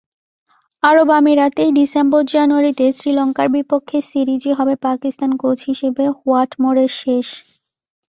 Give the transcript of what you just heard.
আরব আমিরাতেই ডিসেম্বর-জানুয়ারিতে শ্রীলঙ্কার বিপক্ষে সিরিজই হবে পাকিস্তান কোচ হিসেবে হোয়াটমোরের শেষ।